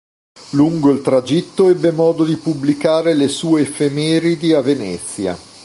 Lungo il tragitto ebbe modo di pubblicare le sue effemeridi a Venezia.